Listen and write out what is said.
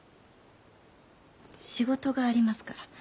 仕事がありますから。